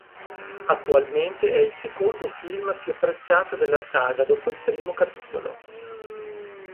Attualmente è il secondo film più apprezzato della saga dopo il primo capitolo.